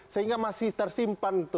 sehingga masih tersimpan